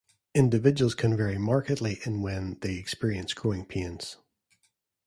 Individuals can vary markedly in when they experience growing pains.